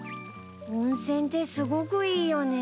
温泉ってすごくいいよね。